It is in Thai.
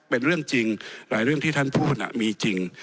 เป็นเรื่องจริงหลายเรื่องที่ท่านพูดมีจริง